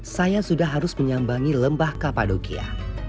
saya sudah harus menyambangi lembah kapadokia